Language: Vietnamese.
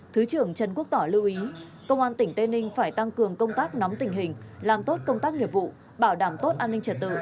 thứ trưởng trần quốc tỏ lưu ý công an tỉnh tây ninh phải tăng cường công tác nắm tình hình làm tốt công tác nghiệp vụ bảo đảm tốt an ninh trật tự